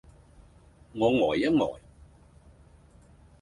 我呆一呆